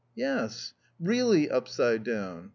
"Yes. Really upside down.